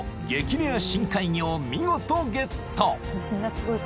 レア深海魚を見事ゲット］